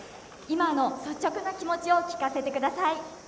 今の率直な気持ちを聞かせてください。